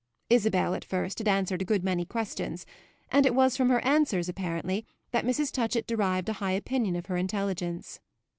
Isabel at first had answered a good many questions, and it was from her answers apparently that Mrs. Touchett derived a high opinion of her intelligence.